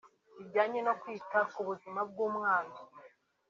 bijyanye no kwita ku buzima bw’umwana